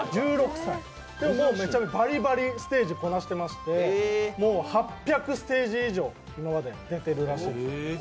バリバリ、ステージをこなしていまして、もう８００ステージ以上今まで出ているらしいです。